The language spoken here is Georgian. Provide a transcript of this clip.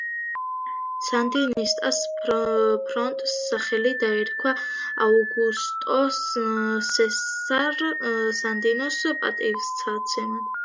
სანდინისტას ფრონტს სახელი დაერქვა აუგუსტო სესარ სანდინოს პატივსაცემად.